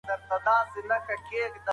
اصلاح فساد ختموي.